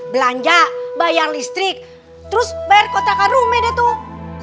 belanja bayar listrik terus bayar kotrakan rumah deh tuh